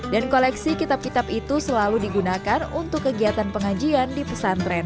dan koleksi kitab kitab itu selalu digunakan untuk kegiatan pengajian di pesantren